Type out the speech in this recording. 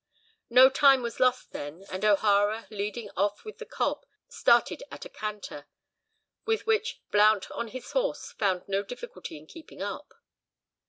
No time was lost then, and O'Hara leading off with the cob started at a canter, with which Blount on his horse found no difficulty in keeping up.